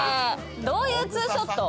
どういう２ショット？